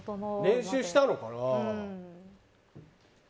練習したのかな？